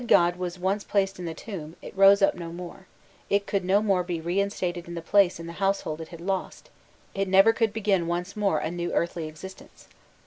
When the dead body was once placed in the tomb, it rose up no more, it could no more be reinstated in the place in the household it had lost, it never could begin once more a new earthly existence.